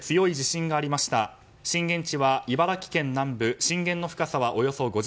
震源地は茨城県南部震源の深さはおよそ５０ｋｍ。